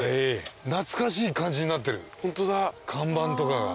懐かしい感じになってる看板とかが。